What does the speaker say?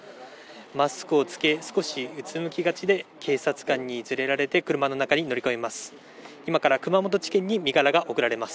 マスクを着け、少しうつむきがちで、警察官に連れられて車の中に乗り込みます。